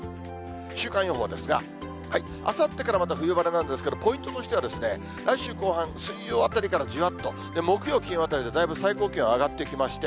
週間予報ですが、あさってからまた冬晴れなんですけど、ポイントとしては、来週後半、水曜あたりからじわっと、木曜、金曜あたりでだいぶ最高気温上がってきまして、